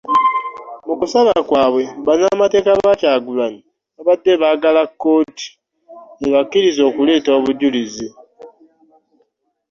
Mu kusaba kwabwe, bannamateeka ba Kyagulanyi babadde baagala kkooti ebakkirize okuleeta obujulizi